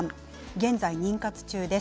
現在、妊活中です。